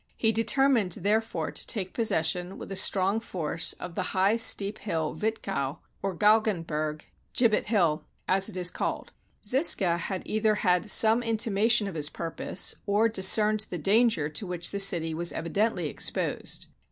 He determined, therefore, to take possession with a strong force of the high steep hill Witkow, or Gal genberg (Gibbet Hill), as it is called. Zisca had either had some intimation of his purpose, or discerned the danger to which the city was evidently exposed.